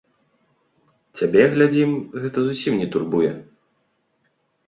Цябе, глядзім, гэта зусім не турбуе?